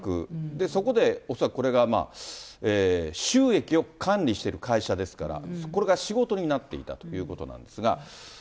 そこで恐らくこれが収益を管理している会社ですから、これが仕事になっていたということなんですが。